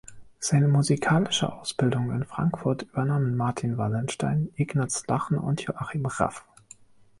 Seine musikalische Ausbildung in Frankfurt übernahmen Martin Wallenstein, Ignaz Lachner und Joachim Raff.